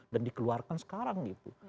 dan dikeluarkan sekarang gitu